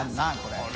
これ。